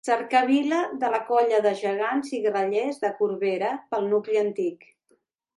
Cercavila de la Colla de Gegants i Grallers de Corbera, pel nucli antic.